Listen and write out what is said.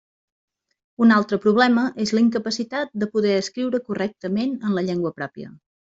Un altre problema és la incapacitat de poder escriure correctament en la llengua pròpia.